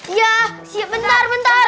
iya bentar bentar